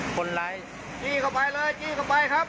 คนร้ายจี้เข้าไปเลยจี้เข้าไปครับ